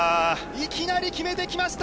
いきなり決めてきました、